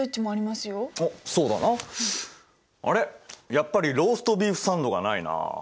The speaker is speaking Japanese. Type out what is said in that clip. やっぱりローストビーフサンドがないな。